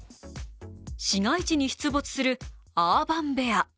市街地に出没するアーバンベア。